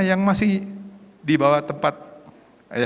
yang masih di bawah tempat